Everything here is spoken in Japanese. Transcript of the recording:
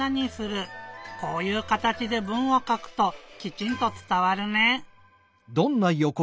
こういうかたちで文をかくときちんとつたわるね！